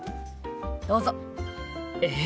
どうぞ！え？